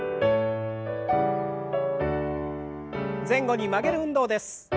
前後に曲げる運動です。